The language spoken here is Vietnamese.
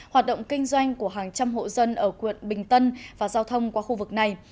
hoạt động kinh doanh của hàng trăm hộ dân ở quận bình tân và giao thông qua khu vực này